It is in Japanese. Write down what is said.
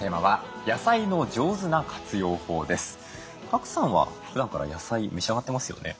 賀来さんはふだんから野菜召し上がってますよね？